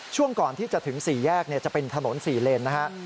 ช่วงก่อนที่จะถึงสี่แยกจะเป็นถนนสี่เลนนะครับ